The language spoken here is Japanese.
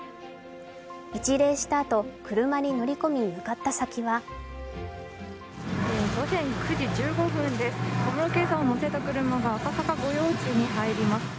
一礼したあと、車に乗り込み向かった先は午前９時１５分です、小室圭さんを乗せた車が赤坂御用地に入ります。